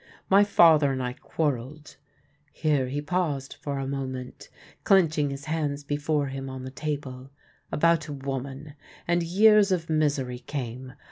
My father and I quarrelled "— here he paused for a moment, clenching his hands before him on the table —" about a woman ; and years of misery came.